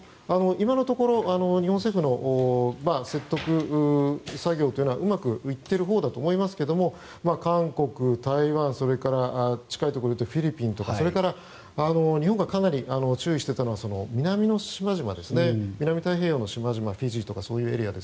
今のところ日本政府の説得作業というのはうまくいっているほうだと思いますけど韓国、台湾、フィリピンとかそれから、日本がかなり注意していたのは南太平洋の島々フィジーとか、そういうエリア。